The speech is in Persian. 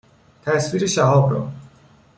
تصویر شهاب را